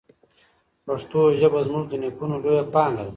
پښتو ژبه زموږ د نیکونو لویه پانګه ده.